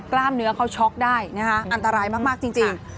กล้ามเนื้อเขาช็อกได้นะคะอันตรายมากจริง